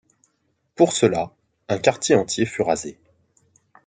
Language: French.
Pour cela, un quartier entier fut rasé.